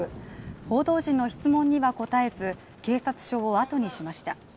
報道陣の質問には答えず、警察署をあとにしました。